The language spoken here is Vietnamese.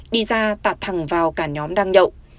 đi ra tạt thẳng vào cả nhóm đang nhậu